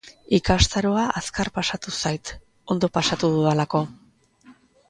Ikastaroa azkar pasatu zait, ondo pasatu dudalako.